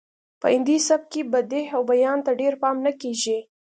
په هندي سبک کې بدیع او بیان ته ډیر پام نه کیږي